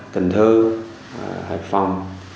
cần thơ hải phòng